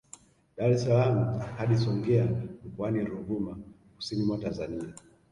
Dar es salaam hadi Songea Mkoani Ruvuma Kusini mwa Tanzania